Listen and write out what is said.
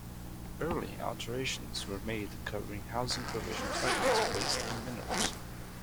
Early alterations were made covering housing provision targets, waste and minerals.